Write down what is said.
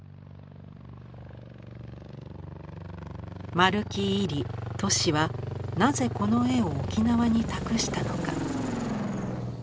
丸木位里・俊はなぜこの絵を沖縄に託したのか。